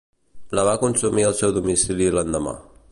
La va consumir al seu domicili l’endemà.